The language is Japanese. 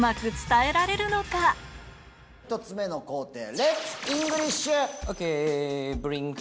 １つ目の工程。